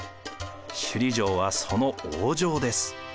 首里城はその王城です。